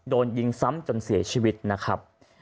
โดนยิงซ้ำจนเสียชีวิตนะครับ